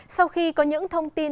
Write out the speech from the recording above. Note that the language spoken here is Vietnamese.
sau khi có những thông tin